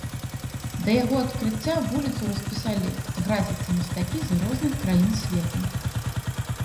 Да яго адкрыцця вуліцу распісалі графіці мастакі з розных краін свету.